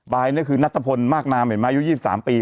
บายนี่คือนัตภพลมากน้ำมาอยู่๒๓ปี